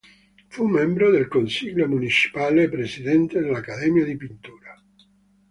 Fu membro del Consiglio Municipale e presidente dell'accademia di pittura.